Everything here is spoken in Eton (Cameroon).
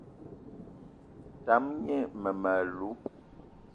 Tam gne mmem- alou